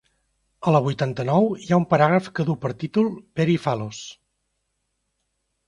A la vuitanta-nou hi ha un paràgraf que duu per títol "Peri Phalos".